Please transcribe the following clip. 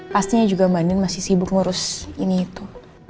pastinya juga mbak nin masih sibuk ngurus ini itu